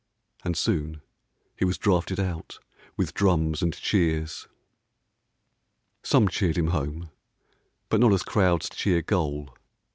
And soon, he was drafted out with drums and cheers. Some cheered him home, but not as crowds cheer Goal.